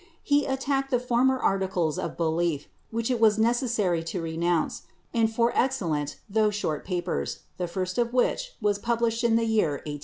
He attacked the former articles of belief, which it was neces sary to renounce, in four excellent tho short papers, the first of which was published in the year i860.